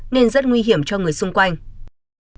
nên rất nguy hiểm cho người xung quanh